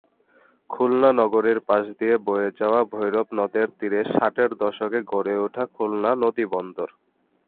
খুলনা নগরীর পাশ দিয়ে বয়ে যাওয়া ভৈরব নদের তীরে ষাটের দশকে গড়ে ওঠে খুলনা নদীবন্দর।